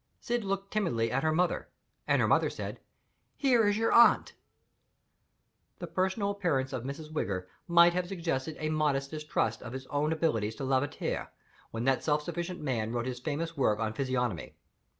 Syd looked timidly at her mother; and her mother said: "Here is your aunt." The personal appearance of Miss Wigger might have suggested a modest distrust of his own abilities to Lavater, when that self sufficient man wrote his famous work on Physiognomy.